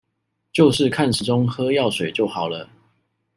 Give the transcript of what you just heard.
就是看時鐘喝藥水就好了